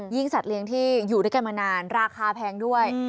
สัตว์เลี้ยงที่อยู่ด้วยกันมานานราคาแพงด้วย